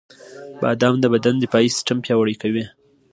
• بادام د بدن د دفاعي سیستم پیاوړی کوي.